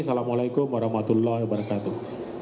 assalamu alaikum warahmatullahi wabarakatuh